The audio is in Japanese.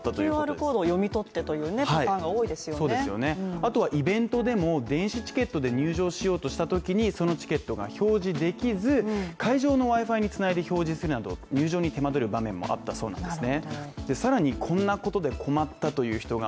あとはイベントでも電子チケットで入場しようとしたときにそのチケットが表示できず、会場のＷｉ−Ｆｉに繋いで表示するなど、入場に手間取った場面もあったそうなんですね